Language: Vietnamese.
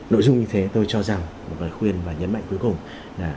nội dung như thế tôi cho rằng một lời khuyên và nhấn mạnh cuối cùng là